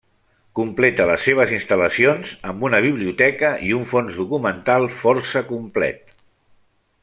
Completa les seves instal·lacions amb una biblioteca i un fons documental força complet.